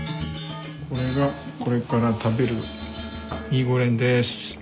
これがこれから食べるミーゴレンです。